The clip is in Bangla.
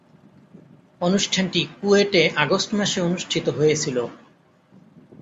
অনুষ্ঠানটি কুয়েটে আগস্ট মাসে অনুষ্ঠিত হয়েছিলো।